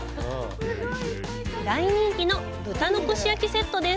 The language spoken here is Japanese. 大人気の豚の串焼きセットです。